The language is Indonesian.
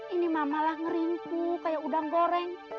ini mamalah ngeringku kayak udang goreng